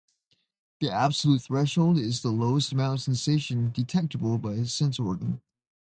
The absolute threshold is the lowest amount of sensation detectable by a sense organ.